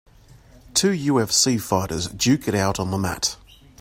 Two UFC fighters duke it out on the mat.